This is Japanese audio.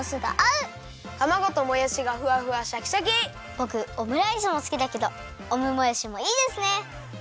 ぼくオムライスもすきだけどオムもやしもいいですね！